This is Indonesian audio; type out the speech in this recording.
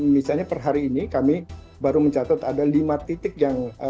misalnya per hari ini kami baru mencatat ada lima titik yang